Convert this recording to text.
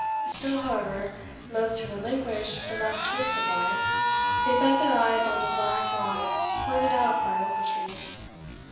Still, however, loth to relinquish the last hopes of life, they bent their eyes on the black rock pointed out by Ochiltree.